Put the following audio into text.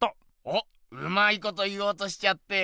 おっうまいこと言おうとしちゃって。